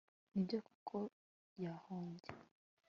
Nibyo koko yahombye